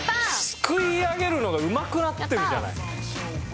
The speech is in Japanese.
すくい上げるのがうまくなってるじゃない。